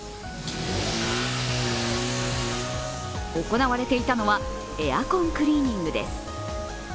行われていたのは、エアコンクリーニングです。